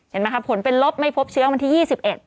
เห็นไหมครับผลเป็นลบไม่พบเชื้อวันที่๒๑